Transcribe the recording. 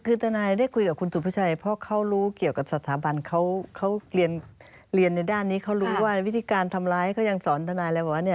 คือทนายได้คุยกับคุณสุภาชัยเพราะเขารู้เกี่ยวกับสถาบันเขาเรียนในด้านนี้เขารู้ว่าวิธีการทำร้ายเขายังสอนทนายเลยบอกว่า